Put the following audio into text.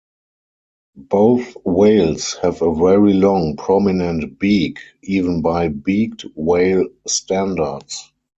Both whales have a very long prominent beak, even by beaked whale standards.